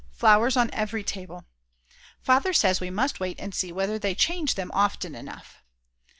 Flowers on every table. Father says we must wait and see whether they change them often enough.